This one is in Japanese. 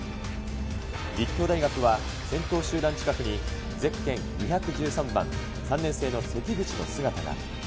立教大学は先頭集団近くにゼッケン２１３番、３年生の関口の姿が。